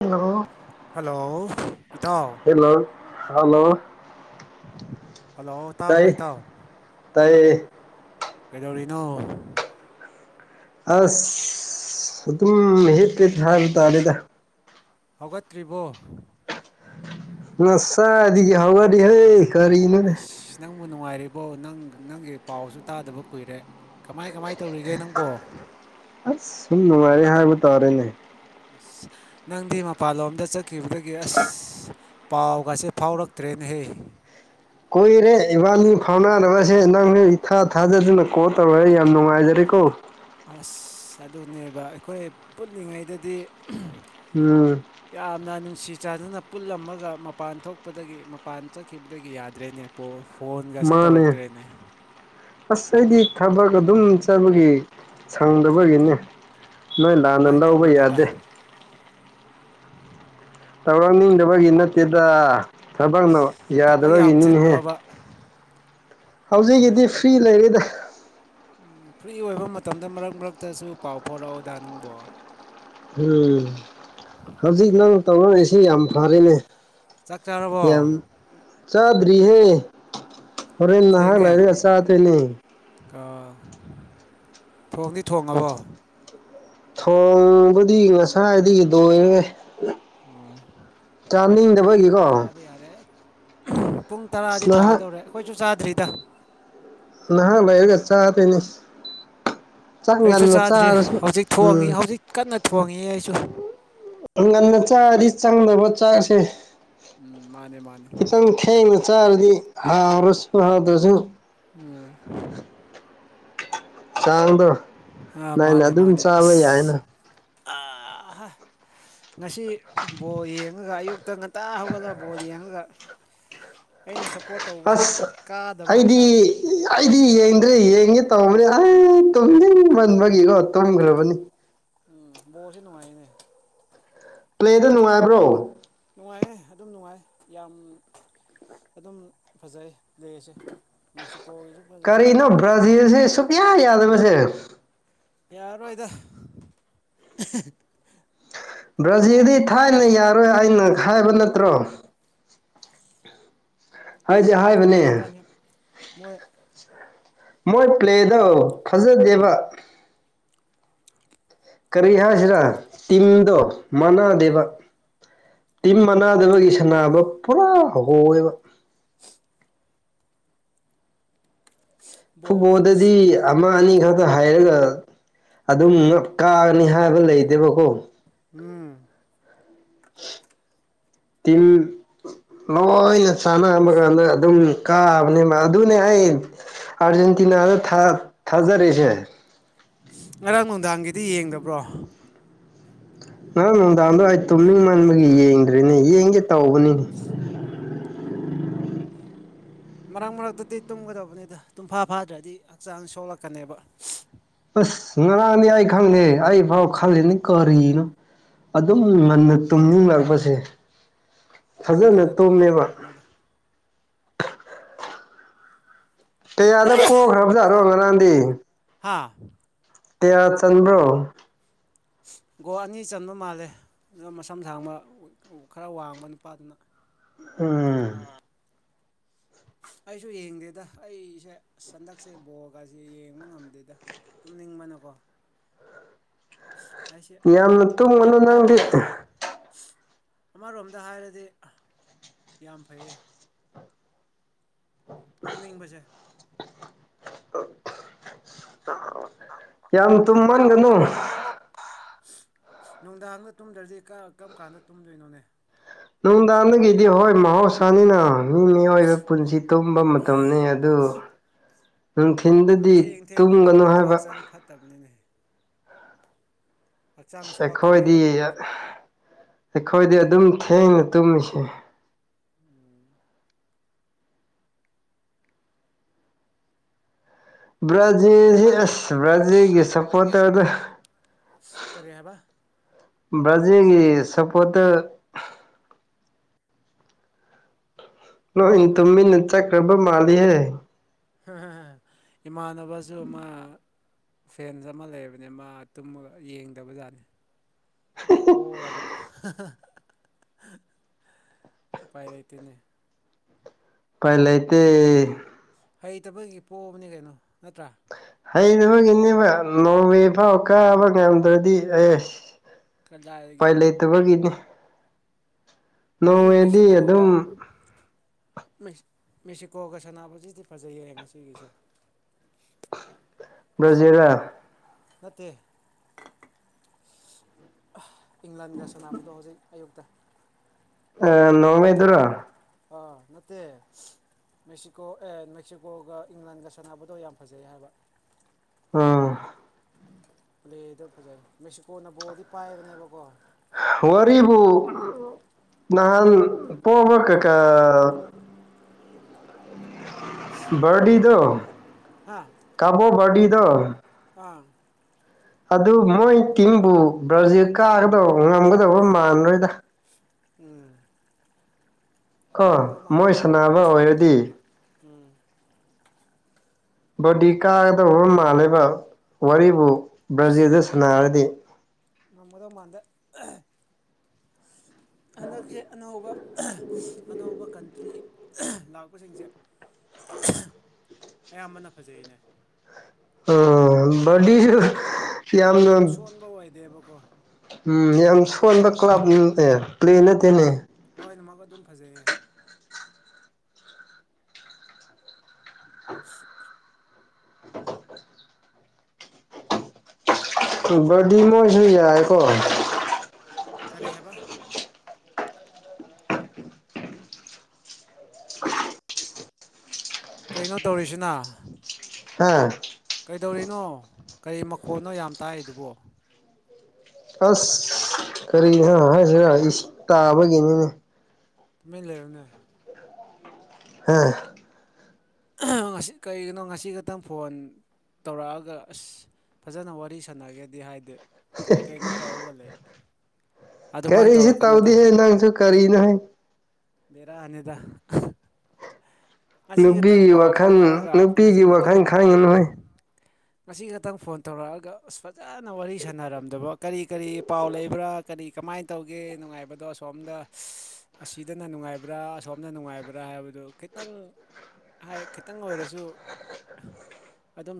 hello hello ꯏꯇꯥꯎ hello hello ꯇꯥꯎꯕ꯭ꯔꯣꯍꯤ ꯇꯥꯎ ꯇꯥꯏꯌꯦ ꯀꯩꯗꯧꯔꯤꯅꯣ ꯑꯁ ꯁ ꯑꯗꯨꯝꯦ ꯄ꯭ꯦ ꯊ ꯍꯥꯏꯥ ꯇꯥꯔꯦꯗ ꯍꯧꯒꯠꯇ꯭ꯔꯤꯕꯣ ꯅꯁꯥꯗꯤꯒꯤ ꯍꯋꯥꯗꯤ ꯍꯥꯏ ꯀꯔꯤꯅꯅꯦ ꯑꯁ ꯅꯪꯕꯨ ꯅꯨꯡꯉꯥꯏꯔꯤꯕꯣ ꯅꯪ ꯅꯪꯒꯤ ꯄꯥꯎꯁꯨ ꯇꯥꯗꯕ ꯀꯨꯏꯔꯦ ꯀꯃꯥꯏ ꯀꯃꯥꯏ ꯇꯧꯔꯤꯒꯦ ꯅꯪꯕꯣ ꯑꯁ ꯁꯨꯝ ꯅꯨꯡꯉꯥꯏꯔꯦ ꯍꯥꯏꯕ ꯇꯥꯔꯦꯅꯦ ꯑꯁ ꯅꯪꯗꯤ ꯃꯄꯥꯟꯂꯣꯝꯗ ꯆꯠꯈꯤꯕꯗꯒꯤ ꯑꯁ ꯄꯥꯎꯒꯁꯦ ꯐꯥꯎꯔꯛꯇ꯭ꯔꯦꯅꯦ ꯍꯦ ꯀꯨꯏꯔꯦ ꯏꯕꯥꯅꯤ ꯐꯥꯎꯅꯔꯕꯁꯦ ꯅꯪꯅ ꯏꯊꯥ ꯊꯥꯖꯗꯨꯅ ꯀꯣꯜ ꯇꯧꯔꯦ ꯌꯥꯝ ꯅꯨꯡꯉꯥꯏꯖꯔ ꯁꯣ ꯑꯁ ꯑꯗꯨꯅꯦꯕ ꯑꯩꯈꯣꯏ ꯄꯨꯜꯂꯤꯉꯩꯗꯗꯤ ꯎꯝ ꯌꯥꯝꯅ ꯅꯨꯡꯁꯤ ꯆꯥꯗꯨꯅ ꯄꯨꯜꯂꯝꯃꯒ ꯃꯄꯥꯟ ꯊꯣꯛꯄꯗꯒꯤ ꯃꯄꯥꯟ ꯆꯠꯈꯤꯕꯗꯒꯤ ꯌꯥꯗ꯭ꯔꯦꯅꯦ ꯄꯣ ꯐꯣꯟꯒꯁꯦ ꯃꯥꯅꯦ ꯇꯧꯔꯛꯇ꯭ꯔꯦꯅꯦ ꯑꯁ ꯑꯩꯗꯤ ꯊꯕꯛ ꯑꯗꯨꯝ ꯆꯠꯕꯒꯤ ꯁꯪꯗꯕꯒꯤꯅꯦ ꯅꯣꯏ ꯂꯥꯟꯗ ꯑꯗꯨꯃꯥꯏꯅ ꯂꯧꯕ ꯌꯥꯗꯦ ꯇꯧꯒꯅꯨꯗ ꯇꯧꯔꯛꯅꯤꯡꯗꯕꯒꯤ ꯅꯠꯇꯦꯗ ꯊꯕꯛꯅ ꯊꯕꯛ ꯌꯥꯝ ꯌꯥꯗꯕꯒꯤꯅꯤꯍꯦ ꯆꯤꯟꯕ꯭ꯔꯣꯕ ꯍꯧꯖꯤꯛꯀꯤꯗꯤ ꯐ꯭ꯔꯤ ꯂꯩꯔꯤꯗ ꯎꯝ ꯐ꯭ꯔꯤ ꯑꯣꯏꯕ ꯃꯇꯝꯗ ꯃꯔꯛ ꯃꯔꯛꯇꯁꯨ ꯄꯥꯎ ꯐꯥꯎꯣꯔꯛꯑꯣ ꯑꯣꯗꯥ ꯕꯣ ꯎꯝ ꯍꯧꯖꯤꯛ ꯅꯪ ꯇꯧꯅꯔꯤꯁꯤ ꯌꯥꯝ ꯐꯔꯅꯦ ꯆꯥꯛ ꯆꯥꯔꯕꯣ ꯆꯥꯗ꯭ꯔꯤꯍꯦ ꯍꯣꯔꯦꯟ ꯅꯍꯥꯛ ꯊꯦꯡꯉꯦ ꯂꯥꯏꯔꯒ ꯆꯥꯗꯣꯏꯅꯦ ꯊꯣꯡꯗꯤ ꯊꯣꯡꯉꯕꯣ ꯊꯣꯡꯕꯨꯗꯤ ꯉꯁꯥꯏꯗꯤ ꯗꯣꯏꯔꯦ ꯑꯣ ꯑꯗꯨꯗꯤ ꯑꯁ ꯆꯥꯕ ꯌꯥꯔꯦ ꯄꯨꯡ ꯇꯔꯥꯗꯤ ꯅꯍꯥꯛ ꯇꯥꯗꯧꯔꯦ ꯑꯩꯈꯣꯏꯁꯨ ꯆꯥꯗ꯭ꯔꯤꯗ ꯅꯍ ꯂꯩꯒ ꯆ ꯇꯅꯤ ꯑꯩꯁꯨ ꯆꯥꯗ꯭ꯔꯤ ꯍꯧꯖꯤꯛ ꯎꯝ ꯊꯣꯡꯉꯤ ꯍꯧꯖꯤꯛ ꯀꯟꯅ ꯊꯣꯡꯉꯤ ꯑꯩꯁꯨ ꯉꯟꯅ ꯆꯥꯔꯗꯤ ꯆꯪꯗꯅꯕ ꯆꯥꯛꯁꯦ ꯎꯝ ꯃꯥꯅꯦ ꯃꯥꯅꯦ ꯆꯔꯗꯤ ꯍꯥꯥꯎꯔꯁꯨ ꯍꯥꯗꯁꯨ ꯎꯝ ꯀꯥꯡꯗꯣ ꯑꯥ ꯅꯥꯏꯅ ꯑꯗꯨꯝ ꯆꯥꯕ ꯌꯥꯏꯅ ꯑꯍꯥ ꯉꯁꯤ ꯕꯣꯜ ꯌꯦꯡꯉꯒ ꯑꯌꯨꯛꯇ ꯉꯟꯇꯥ ꯍꯧꯒꯠꯂꯒ ꯕꯣꯜ ꯌꯦꯡꯉꯒ ꯑꯩꯅ ꯁ ꯑꯁ ꯑꯩꯗꯤ ꯑꯩꯗꯤ ꯌꯦꯡꯗ꯭ꯔꯦ ꯌꯦꯡꯉꯦ ꯇꯧꯕꯅꯤ ꯑꯩ ꯇꯨꯝꯅꯤꯡꯃꯟꯕꯒꯤꯀꯣ ꯇꯨꯝꯈ꯭ꯔꯕꯅꯤ ꯎꯝ ꯕꯣꯁꯦ ꯅꯨꯡꯉꯥꯏꯅꯦ ꯄ꯭ꯂꯦꯗ ꯅꯨꯡꯉꯥꯏꯕ꯭ꯔꯣ ꯅꯨꯡꯉꯥꯏꯌꯦ ꯑꯗꯨꯝ ꯅꯨꯡꯉꯥꯏ ꯌꯥꯝ ꯑꯗꯨꯝ ꯐꯖꯩ ꯂꯩꯁꯦ ꯀꯔꯤꯅꯣ ꯕ꯭ꯔꯥꯖꯤꯜꯁꯦ ꯁꯨꯛꯌꯥ ꯌꯥꯗꯕꯁꯦ ꯌꯥꯔꯣꯏꯗ ꯕ꯭ꯔꯥꯖꯤꯜꯗꯤ ꯊꯥꯏꯅ ꯌꯥꯔꯣꯏ ꯑꯩꯅ ꯍꯥꯏꯕ ꯅꯠꯇ꯭ꯔꯣ ꯍꯥꯏꯗꯤ ꯌꯥꯗ꯭ꯔꯦꯕꯥꯎꯖꯤ ꯀ ꯍꯥꯏꯕꯅꯦ ꯃꯣꯏ ꯃꯣꯏ ꯄ꯭ꯂꯦꯗ ꯐꯖꯗꯦꯕ ꯎꯝ ꯀꯔꯤ ꯍꯥꯏꯁꯤꯔꯥ ꯇꯤꯝꯗꯣ ꯃꯥꯟꯅꯗꯦꯕ ꯎꯝ ꯇꯤꯝ ꯃꯅꯥꯗꯕꯒꯤ ꯁꯥꯟꯅꯥꯅꯕ ꯄꯨꯔꯥ ꯍꯧꯦꯕ ꯕꯣꯜ ꯐꯨꯠꯕꯣꯜꯗꯗꯤ ꯑꯃ ꯑꯅꯤ ꯈꯛꯇ ꯍꯥꯏꯔꯒ ꯑꯗꯨꯝ ꯀꯥꯒꯅꯤ ꯍꯥꯏꯕ ꯂꯩꯇꯦꯕꯀꯣ ꯎꯝ ꯇꯤꯟ ꯂꯣꯏꯅ ꯆꯥꯟꯕ ꯀꯥꯟꯗ ꯑꯗꯨꯝ ꯀꯥꯕꯅꯦꯕ ꯑꯗꯨꯅꯦ ꯑꯩ ꯑꯥꯔꯖꯦꯟꯇꯤꯅꯥ ꯗ ꯊꯥ ꯊꯥꯖꯔꯤꯁꯦ ꯉꯔꯥꯡ ꯅꯨꯡꯗꯥꯡꯒꯤꯗꯤ ꯌꯦꯡꯗꯕ꯭ꯔꯣ ꯉꯔꯥꯡ ꯅꯨꯡꯗꯥꯡꯗꯣ ꯑꯩ ꯇꯨꯝꯅꯤꯡ ꯃꯟꯕꯒꯤ ꯌꯦꯡꯗ꯭ꯔꯤꯅꯦ ꯌꯦꯡꯒꯦ ꯇꯧꯕꯅꯤꯅꯦ [inaudible] ꯃꯔꯛ ꯃꯔꯛꯇꯗꯤ ꯇꯨꯝꯒꯗꯕꯅꯤ ꯑꯗ ꯇꯨꯝꯐꯥ ꯐꯥꯗ꯭ꯔꯗꯤ ꯍꯛꯆꯥꯡ ꯁꯣꯛꯂꯛꯀꯅꯦꯕ ꯑꯁ ꯉꯔꯥꯡꯅꯤ ꯑꯩ ꯈꯪꯗꯦ ꯑꯩ ꯐꯥꯎ ꯈꯜꯂꯤꯅꯤ ꯀꯔꯤꯅꯣ ꯑꯗꯨꯝ ꯉꯟꯅ ꯇꯨꯝꯅꯤꯡꯂꯛꯄꯁꯦ ꯉꯟ ꯐꯖꯅ ꯉꯟꯅ ꯇꯨꯝꯕꯅ ꯇꯨꯝꯃꯦꯕ ꯐꯕꯅꯤꯗ ꯛꯌꯥꯗ ꯄꯣꯈ꯭ꯔꯕꯖꯥꯠꯅꯣ ꯉꯥꯔꯥꯡꯗꯤ ꯍꯥꯥ ꯀꯌꯥ ꯆꯟꯕ꯭ꯔꯣ [inaudible] ꯒꯣꯜ ꯑꯅꯤ ꯆꯟꯕ ꯃꯥꯜꯂꯦ ꯑꯗꯨꯅ ꯃꯁꯝ ꯁꯥꯡꯕ ꯈꯔ ꯋꯥꯡꯕ ꯅꯨꯄꯥꯗꯨꯅ ꯎꯝ ꯑꯩꯁꯨ ꯌꯦꯡꯗꯦꯗ ꯑꯩꯁꯦ ꯁꯟꯗꯛꯁꯦ ꯕꯣꯜꯒꯁꯦ ꯌꯦꯡꯕ ꯉꯝꯗꯦꯗ ꯇꯨꯝꯅꯤꯡꯕꯅꯀꯣ ꯑꯩꯁꯦ ꯌꯥꯝꯅ ꯇꯨꯝꯒꯅꯨ ꯅꯪꯗꯤ ꯑꯃꯔꯣꯝꯗ ꯑꯃꯔꯣꯝꯗ ꯍꯥꯏꯔꯗꯤ ꯌꯥꯝ ꯐꯩꯌꯦ ꯇꯨꯝꯅꯤꯡꯕꯁꯦ ꯌꯥꯝ ꯌꯥꯝ ꯇꯨꯝꯃꯟꯒꯅꯨ ꯇꯨꯝꯒꯅꯨ ꯅꯨꯡꯗꯥꯡꯗ ꯇꯨꯝꯗ꯭ꯔꯗꯤ ꯀꯔꯝ ꯀꯥꯟꯗ ꯇꯨꯝꯗꯣꯏꯅꯣꯅꯦ ꯅꯨꯡꯗꯥꯡꯒꯤꯗꯤ ꯍꯣꯏ ꯃꯍꯧꯁꯥꯅꯤꯅ ꯃꯤ ꯃꯤꯑꯣꯏꯕ ꯄꯨꯟꯁꯤ ꯇꯨꯝꯕ ꯃꯇꯝꯅꯤ ꯑꯗꯨ ꯇꯨꯝ ꯅꯨꯡꯊꯤꯟꯗꯗꯤ ꯊꯦꯡ ꯊꯦꯡꯅ ꯇꯨꯝꯒꯅꯨ ꯇꯨꯝꯕꯗꯣ ꯍꯥꯏꯕ ꯍꯛꯆꯥꯡ ꯐꯠꯇꯕꯅꯤꯅꯦ ꯍꯛꯆꯥꯡ ꯁꯦꯈꯣꯏꯗꯤ ꯁꯣꯛꯂꯛꯀꯅꯦꯕ ꯑꯩꯈꯣꯏꯗꯤ ꯑꯗꯨꯝ ꯊꯦꯡꯅ ꯇꯨꯝꯃꯤꯁꯦ ꯕ꯭ꯔꯥꯖꯤꯜꯁꯤ ꯑꯁ ꯕ꯭ꯔꯥꯖꯤꯜꯒꯤ ꯁꯄꯣꯇꯔ ꯗꯣ ꯀꯔꯤ ꯍꯥꯏꯕ ꯕ꯭ꯔꯥꯖꯤꯜꯒꯤ ꯁꯄꯣꯇꯔ ꯂꯣꯏꯅꯤ ꯀꯅꯥꯅꯣ ꯇꯨꯃꯤꯅ ꯆꯠꯈ꯭ꯔꯕ ꯃꯥꯜꯂꯤꯍꯦ ꯏꯃꯥꯑꯅꯕꯥꯁꯨ ꯃꯥ ꯐꯦꯟꯁ ꯑꯃ ꯂꯩꯕꯥꯅꯤ ꯃꯥ ꯇꯨꯝꯃꯒ ꯌꯦꯡꯗꯕꯖꯥꯠꯅꯦ ꯄꯣꯔꯕꯥ ꯎꯄꯥꯏ ꯂꯩꯇꯦꯅꯦ ꯄꯥꯏꯂꯥꯏꯇꯩ ꯍꯩꯇꯕꯒꯤ ꯄꯣꯑꯕꯅꯤ ꯀꯩꯅꯣ ꯅꯠꯇ꯭ꯔꯥ ꯍꯩꯅꯇꯥꯕꯥꯒꯤꯅꯦꯕ ꯅꯣꯔꯋꯦ ꯐꯥꯎ ꯀꯥꯕ ꯉꯝꯗ꯭ꯔꯗꯤ ꯑꯩꯁ ꯀꯗꯥꯏꯗꯒꯤ ꯎꯄꯥꯏ ꯂꯩꯇꯕꯒꯤꯅꯤ ꯉꯁꯤ ꯅꯣꯔꯋꯦꯗꯤ ꯃꯦꯛꯁꯤꯀꯣꯒ ꯑꯗꯨꯝ ꯃꯦꯛꯁꯤꯀꯣꯒ ꯁꯥꯟꯅꯕꯁꯤꯗꯤ ꯐꯖꯩꯌꯦ ꯉꯁꯤꯒꯤꯁꯦ [unintelligible] ꯕ꯭ꯔꯖꯤꯜ ꯂꯥ ꯅꯠꯇꯦ ꯏꯪꯂꯥꯟꯒ ꯁꯥꯟꯅꯕꯗꯣ ꯍꯧꯖꯤꯛ ꯑꯌꯨꯛꯇ ꯑ ꯅꯣꯔꯋꯦ ꯗꯔꯣ ꯑ ꯅꯠꯇꯦ ꯃꯦꯛꯁꯤꯀꯣ ꯑꯦ ꯃꯦꯛꯁꯤꯀꯣꯒ ꯏꯪꯂꯥꯟꯒ ꯁꯥꯟꯅꯕꯗꯣ ꯌꯥꯝ ꯐꯖꯩ ꯍꯥꯏꯕ ꯑꯥ ꯄ꯭ꯂꯦꯗ ꯐꯖꯩ ꯃꯦꯛꯁꯤꯀꯣꯅ ꯕꯣꯜꯗꯤ ꯄꯥꯏꯕꯅꯦꯕꯀꯣ ꯋꯥꯔꯤꯕꯨ ꯅꯍꯥꯟ ꯄꯣꯕ [unintelligible] ꯗꯤꯗ ꯀꯩꯅꯣ ꯍꯥ ꯀꯕꯨꯣ ꯗ ꯑ ꯑꯗꯨ ꯃꯣꯏ ꯇꯤꯝꯕꯨ ꯕ꯭ꯔꯥꯖꯤꯜ ꯀꯥꯒꯗꯧꯕ ꯉꯝꯒꯗꯧꯕ ꯃꯥꯟꯔꯣꯏꯗ ꯎꯝ ꯀꯣ ꯉꯝꯗꯧ ꯃꯣꯏ ꯃꯥꯟꯗꯦꯗ ꯁꯥꯟꯅꯕ ꯑꯣꯏꯔꯗꯤ ꯎꯝ ꯕꯗꯤ ꯀꯥꯒꯗ ꯎ ꯃꯥꯥꯡꯂꯦꯕ ꯎꯝ ꯋꯥꯔꯤꯕꯨ ꯕ꯭ꯔꯥꯖꯤꯜꯗ ꯁꯥꯟꯅꯔꯗꯤ ꯉꯝꯒꯗꯧ ꯃꯥꯟꯗꯦ ꯍꯟꯗꯛꯁ ꯑꯅꯧꯕ ꯑꯅꯧꯕ ꯀꯟꯇ꯭ꯔꯤ ꯂꯥꯛꯄꯁꯤꯡꯁꯦ ꯑꯌꯥꯝꯕꯅ ꯐꯖꯩꯅꯦ ꯕꯂꯤꯁꯨ ꯌꯥꯝ ꯁꯣꯟꯕ ꯑꯣꯏꯏꯗꯦꯕꯀꯣ ꯎꯝ ꯌꯥꯝ ꯁꯣꯟꯕ ꯀ꯭ꯂꯕꯅꯦ ꯄ꯭ꯂꯦ ꯅꯠꯇꯦꯅꯦ ꯑꯩꯣꯏꯅꯃꯛ ꯑꯗꯨꯝ ꯐꯖꯩꯌꯦ [unintelligible] ꯄ ꯗꯤ ꯃꯣꯁ ꯍ ꯌꯥꯦꯀꯣ ꯀꯔꯤ ꯍꯦꯕ ꯀꯩꯅꯣ ꯇꯧꯔꯤꯁꯤꯅ ꯍꯥꯥ ꯀꯩꯗꯧꯔꯤꯅꯣ ꯀꯔꯤ ꯃꯈꯣꯅꯣ ꯌꯥꯝ ꯇꯥꯏꯗꯨꯕꯣ ꯑꯁ ꯀꯔꯤꯅꯣ ꯍꯥꯏꯁꯤꯔ ꯇꯥꯕꯒꯤꯅꯤꯅꯦ ꯇꯨꯃ ꯂꯩꯕꯅꯦ ꯍꯥꯦ ꯉꯁꯤ ꯀꯔꯤꯒꯤꯅꯣ ꯉꯁꯤ ꯈꯛꯇꯪ ꯐꯣꯟ ꯇꯧꯔꯛꯑꯒ ꯑꯁ ꯐꯖꯅ ꯋꯥꯔꯤ ꯁꯥꯟꯅꯒꯦꯗꯤ ꯍꯥꯏꯗꯤ ꯀꯩ ꯀꯩꯅꯣ ꯇꯧꯍꯧꯒꯂꯦ ꯀꯔꯤꯁꯨ ꯇꯧꯗꯍꯦ ꯅꯪꯁꯨ ꯀꯔꯤꯅꯣ ꯍꯥꯏ ꯕꯔ ꯑꯅꯤꯗ ꯅꯨꯄꯤꯒꯤ ꯋꯥꯈꯜ ꯐꯥꯎꯅꯔꯒ ꯅꯨꯄꯤꯒꯤ ꯉꯁꯤ ꯋꯥꯈꯜ ꯈꯛꯇꯪ ꯈꯥꯡꯉ ꯅꯣꯏ ꯉꯁꯤ ꯈꯛꯇꯪ ꯐꯣꯟ ꯇꯧꯔꯛꯑꯒ ꯑꯁ ꯐꯖꯅ ꯋꯥꯔꯤ ꯁꯥꯟꯅꯔꯝꯗꯕ ꯀꯔꯤ ꯀꯔꯤ ꯄꯥꯎ ꯂꯩꯕ꯭ꯔꯥ ꯀꯔꯤ ꯀꯃꯥꯏꯅ ꯇꯧꯒꯦ ꯅꯨꯡꯉꯥꯏꯕꯗꯣ ꯑꯁꯣꯝꯗ ꯑꯁꯤꯗꯅ ꯅꯨꯡꯉꯥꯏꯕ꯭ꯔꯥ ꯑꯁꯣꯝꯅ ꯅꯨꯡꯉꯥꯏꯕ꯭ꯔꯥ ꯕꯗꯨ ꯀꯈꯤꯇꯪ ꯍꯥꯏ ꯈꯤꯇꯪ ꯑꯣꯏꯔꯁꯨ ꯑꯗꯨꯝ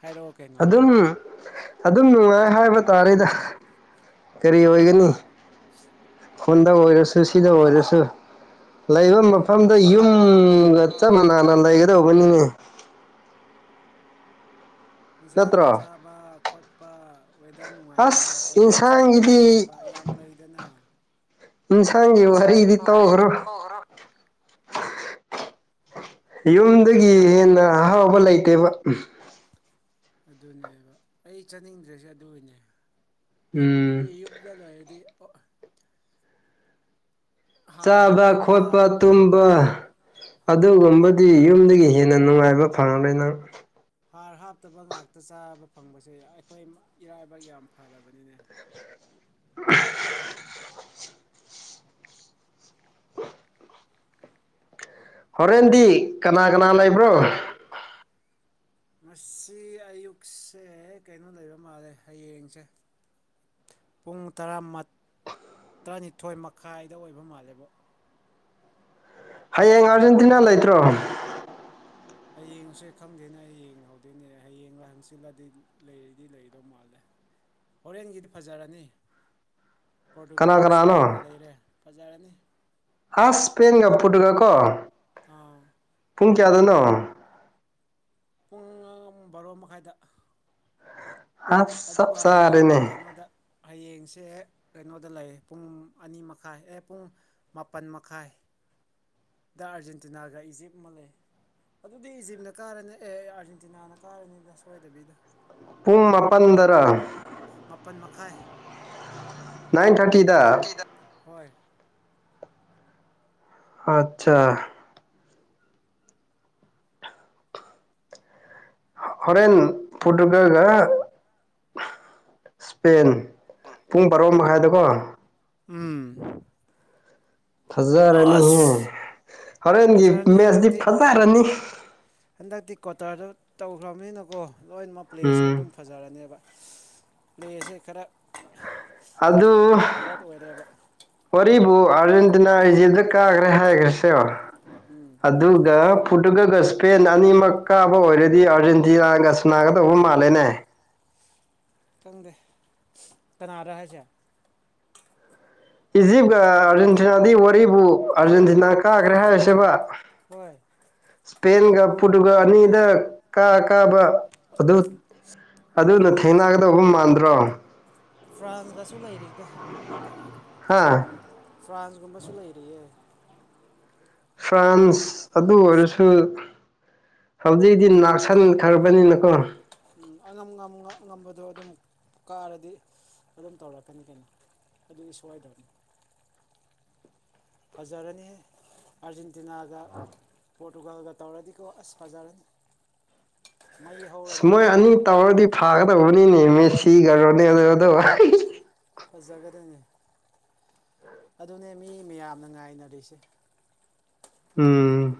ꯍꯥꯏꯔꯛꯑꯣ ꯀꯩꯅꯣ ꯑꯗꯨꯝ ꯑꯗꯨꯝ ꯅꯨꯡꯉꯥꯏ ꯍꯥꯏꯕ ꯇꯥꯔꯦꯗ ꯀꯔꯤ ꯑꯣꯏꯒꯅꯤ [unintelligible] ꯐꯣꯟꯗ ꯑꯣꯏꯔꯁꯨ ꯁꯤꯗ ꯑꯣꯏꯔꯁꯨ ꯂꯩꯕ ꯀꯃꯥꯏ ꯃꯐꯝꯗ ꯌꯨꯝꯒ ꯆꯞꯅ ꯅꯥꯟꯅ ꯂꯩꯒꯗꯧꯕꯅꯤꯅꯦ ꯏꯟꯁꯥꯡ ꯅꯠꯇ꯭ꯔꯣ ꯆꯥꯕ ꯈꯣꯠꯄ ꯋꯦꯗꯔ ꯅꯨꯡꯉꯥꯏꯕ ꯑꯁ ꯈꯣꯠꯄ ꯁꯥꯕ ꯏꯟꯁꯥꯡꯒꯤꯗꯤ ꯏꯪꯕ ꯌꯥꯝ ꯂꯩꯗꯅ ꯏꯟꯁꯥꯡꯒꯤ ꯋꯥꯔꯤꯗꯤ ꯇꯧꯈ꯭ꯔꯣ ꯌꯨꯝꯗꯒꯤ ꯍꯦꯟꯅ ꯑꯍꯥꯎꯕ ꯂꯩꯇꯦꯕ ꯑꯗꯨꯅꯦꯕ ꯑꯩ ꯆꯥꯅꯤꯡꯗ꯭ꯔꯁꯦ ꯑꯗꯨꯒꯤꯅꯦ ꯎꯝ ꯁꯇꯗꯨꯝꯗꯗꯤ ꯆꯥꯕ ꯍꯥꯞꯇꯕ ꯈꯣꯠꯄ ꯇꯨꯝꯕ ꯑꯗꯨꯒꯨꯝꯕꯗꯤ ꯌꯨꯝꯗꯒꯤ ꯍꯦꯟꯅ ꯅꯨꯡꯉꯥꯏꯕ ꯐꯪꯂꯦ ꯅꯪ ꯍꯥꯔ ꯍꯥꯞꯇꯕ ꯉꯥꯛꯇ ꯆꯥꯕ ꯐꯪꯕꯁꯦ ꯑꯩꯈꯣꯏ ꯏꯔꯥꯏꯕꯥꯛ ꯌꯥꯝ ꯐꯔꯕꯅꯤꯅꯦ ꯍꯣꯔꯦꯟꯗꯤ ꯀꯅꯥ ꯀꯅꯥ ꯂꯩꯕ꯭ꯔꯣ ꯀꯅꯥ ꯂꯩꯕ [unintelligible] ꯉꯁꯤ ꯑꯌꯨꯛꯁꯦ ꯀꯩꯅꯣ ꯂꯩꯕ ꯃꯥꯜꯂꯦ ꯍꯌꯦꯡꯁꯦ ꯄꯨꯡ ꯇꯔꯥ ꯇꯔꯥꯅꯤꯊꯣꯏ ꯃꯈꯥꯏꯗ ꯑꯣꯏꯕ ꯃꯥꯜꯂꯦꯕ ꯍꯌꯦꯡ ꯑꯥꯔꯖꯦꯟꯇꯤꯅꯥ ꯂꯩꯇ꯭ꯔꯣ ꯍꯌꯦꯡꯁꯦ ꯈꯪꯗꯦꯅꯦ ꯑꯩ ꯌꯦꯡꯍꯧꯗꯣꯏꯅꯦ ꯍꯌꯦꯡꯂ ꯍꯪꯆꯤꯜꯂꯗꯤ ꯂꯩꯗꯤ ꯂꯩꯗꯧ ꯃꯥꯜꯂꯦ ꯍꯣꯔꯦꯟꯒꯤꯗꯤ ꯐꯖꯔꯅꯤ ꯀꯅꯥ ꯄꯣꯔꯇꯨꯒꯥꯜꯒ ꯏꯁꯄꯦꯟꯒ ꯂꯩꯔꯦ ꯐꯖꯔꯅꯤ ꯑꯁꯄꯦꯟꯒ ꯄꯨꯨꯠꯒ ꯀꯣ ꯑꯥ ꯄꯨꯡ ꯀꯌꯥꯗꯣꯏꯅꯣ ꯄꯨꯡ ꯕꯥꯔꯣ ꯃꯈꯥꯏꯗ ꯑꯁ ꯁꯞ ꯑꯗꯨꯒ ꯆꯔꯦꯅꯦ ꯍꯌꯦꯡꯅ ꯀꯩꯅꯣꯗ ꯍꯌꯦꯡꯁꯦ ꯀꯩꯅꯣꯗ ꯂꯩ ꯄꯨꯡ ꯑꯅꯤ ꯃꯈꯥꯏ ꯑꯦ ꯄꯨꯡ ꯃꯥꯄꯜ ꯃꯈꯥꯏ ꯗ ꯑꯥꯔꯖꯦꯟꯇꯤꯅꯥꯒ ꯏꯖꯤꯞ ꯃꯥꯜ ꯂꯩꯦ ꯑꯗꯨꯗꯤ ꯏꯖꯤꯞꯅ ꯀꯥꯔꯅꯤ ꯑꯦ ꯑꯥꯔꯖꯦꯟꯇꯤꯅꯥꯅ ꯀꯥꯔꯅꯤꯗ ꯁꯣꯏꯗꯕꯤꯗ ꯄꯨꯡ ꯃꯥꯄꯟꯗꯔ ꯃꯥꯄꯜ ꯃꯈꯥꯏ ꯅꯥꯏꯟ ꯊꯥꯔꯇꯤꯗ ꯍꯣꯏ ꯑꯆꯥ ꯍꯣꯔꯦꯟ ꯄꯠꯔꯀꯒ ꯏꯁꯄꯦꯟ ꯄꯨꯡ ꯕꯥꯔꯣ ꯃꯈꯥꯏꯗꯀꯣ ꯎꯝ ꯐꯖꯔꯅꯤꯍꯦ ꯑꯁ ꯍꯣꯔꯦꯟꯒꯤ ꯐꯖꯔꯅꯤ ꯃꯦꯠꯁꯇꯤ ꯍꯟꯗꯛꯇꯤ ꯐꯖꯔꯅꯤ ꯍꯟꯗꯛꯇꯤ ꯀ꯭ꯋꯥꯇꯔꯗꯨ ꯇꯧꯈ꯭ꯔꯕꯅꯤꯅꯀꯣ ꯂꯣꯏꯅꯃꯛ ꯄ꯭ꯂꯦꯁꯦ ꯎꯝ ꯑꯗꯨꯝ ꯐꯖꯔꯅꯦꯕ ꯂꯩꯁꯦ ꯈꯔ ꯑꯗ ꯍꯣꯠ ꯑꯣꯏꯔꯦꯕ ꯑꯣꯔꯤꯕꯨ ꯑꯥꯔꯖꯦꯟꯇꯤꯅꯥ ꯏꯖꯤꯞꯇ ꯀꯥꯈ꯭ꯔꯦ ꯍꯥꯏꯈ꯭ꯔꯁꯦ ꯎꯝ ꯑꯗꯨꯒ ꯄꯣꯔꯇꯨꯒꯜꯒ ꯏꯁꯄꯦꯟ ꯑꯅꯤꯃꯛ ꯀꯥꯕ ꯑꯣꯏꯔꯗꯤ ꯑꯥꯔꯖꯦꯟꯇꯤꯅꯥꯒ ꯁꯨꯅꯥꯒꯗꯧꯕ ꯃꯥꯜꯂꯦꯅꯦ ꯈꯪꯗꯦ ꯀꯅꯥꯗ ꯍꯥꯏꯁꯦ ꯏꯖꯤꯞ ꯑꯥꯔꯖꯦꯟꯇꯤꯅꯥꯗꯤ ꯋꯥꯔꯤꯕꯨ ꯑꯥꯔꯖꯦꯟꯇꯤꯅꯥ ꯀꯥꯈ꯭ꯔꯦ ꯍꯥꯏꯔꯤꯁꯦꯕ ꯍꯣꯏ ꯏꯁꯄꯦꯟꯒ ꯄꯨꯠꯒ ꯑꯅꯤꯗ ꯀꯥ ꯀꯥꯕ ꯑꯗꯨ ꯑꯗꯨꯅ ꯊꯦꯡꯅꯒꯗꯧꯕ ꯃꯥꯟꯗ꯭ꯔꯣ ꯐ꯭ꯔꯥꯟꯁꯀꯁꯨ ꯂꯩꯔꯤꯗ ꯍꯥꯥ ꯐ꯭ꯔꯥꯟꯁꯒꯨꯝꯕꯁꯨ ꯂꯩꯔꯤꯌꯦ ꯐ꯭ꯔꯥꯟꯁ ꯑꯗꯨ ꯑꯣꯏꯔꯁꯨ ꯍꯧꯖꯤꯛꯗꯤ ꯉꯥꯛꯁꯟꯈ꯭ꯔꯕꯅꯤꯅꯀꯣ ꯎꯝ ꯑꯉꯝ ꯉꯝꯕꯗꯣ ꯑꯗꯨꯝ ꯀꯥꯔꯗꯤ ꯑꯗꯨꯝ ꯇꯧꯔꯛꯀꯅꯤ ꯀꯩꯅꯣ ꯑꯗꯨ ꯁꯕꯥꯥꯏ ꯇꯅꯤ ꯐꯖꯔꯅꯤ ꯑꯥꯔꯖꯦꯟꯇꯤꯅꯥꯗ ꯄꯣꯇꯣꯒꯒ ꯇꯧꯔꯗꯤꯀꯣ ꯑꯁ ꯐꯖꯔꯅꯤ ꯃꯩ ꯍꯧꯔꯅꯤ ꯃꯣꯏ ꯑꯅꯤ ꯇꯧꯔꯗꯤ ꯐꯥꯒꯗꯧꯕꯅꯤꯅꯦ ꯃ ꯁꯤꯈ꯭ꯔꯣꯅꯦ ꯑꯗꯨꯗ ꯐꯖꯒꯗꯅꯤ ꯑꯗꯨꯅꯦ ꯃꯤ ꯃꯌꯥꯝꯅ ꯉꯥꯏꯅꯔꯤꯁꯦ ꯎꯝ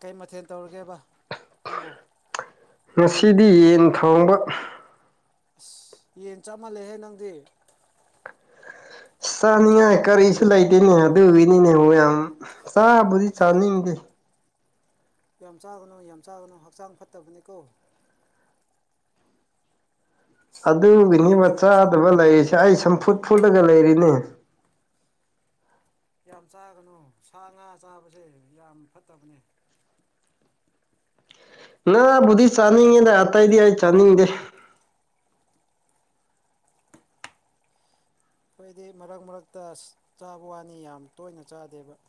ꯀꯩ ꯃꯊꯦꯜ ꯇꯧꯔꯒꯦꯕ ꯅꯪꯕꯨ ꯉꯁꯤꯗꯤ ꯌꯦꯟ ꯊꯥꯡꯕ ꯌꯦꯟ ꯆꯞ ꯃꯥꯜꯂꯦꯍꯦ ꯅꯪꯗꯤ ꯆꯥꯅꯤꯡꯉꯥꯏ ꯀꯔꯤꯁꯨ ꯂꯩꯇꯦꯅꯦ ꯑꯗꯨꯒꯤꯅꯤꯅꯦ ꯍ ꯌꯥꯝ ꯆꯥꯕꯨꯗꯤ ꯆꯥꯅꯤꯡꯗꯦ ꯌꯥꯝ ꯆꯥꯒꯅꯨ ꯌꯥꯝ ꯆꯥꯒꯅꯨ ꯍꯛꯆꯥꯡ ꯐꯠꯇꯕꯅꯤꯀꯣ ꯑꯩꯅ ꯑꯗꯨꯒꯤꯅꯤ ꯍꯥꯏꯔꯤꯁꯦ ꯃꯆꯥꯥꯗꯕ ꯑꯁꯦꯡꯕꯅꯤ ꯂꯩꯔꯤꯁꯦ ꯑꯩ ꯁꯝꯐꯨꯠ ꯐꯨꯠꯂꯒ ꯂꯩꯔꯤꯅꯦ ꯌꯥꯝ ꯆꯥꯒꯅꯨ ꯁꯥ ꯉꯥ ꯆꯥꯕꯁꯦ ꯌꯥꯝ ꯐꯠꯇꯕꯅꯦ ꯅꯕꯨꯙꯤ ꯆꯥꯅꯤꯡꯉꯦꯅꯦ ꯑꯇꯩꯏꯗꯤ ꯑꯩ ꯆꯥꯅꯤꯡꯗꯦ ꯑꯩꯈꯣꯏꯗꯤ ꯃꯔꯛ ꯃꯔꯛꯇ ꯑ ꯆꯥꯕ ꯋꯥꯅꯤ ꯌꯥꯝ ꯇꯣꯏꯅ ꯆꯥꯗꯦꯕ ꯎ